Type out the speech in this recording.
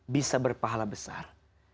bisa berpahala besar